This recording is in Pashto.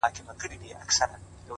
ټول عمر تكه توره شپه وي رڼا كډه كړې؛